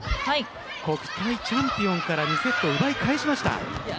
国体チャンピオンから２セットを奪い返しました。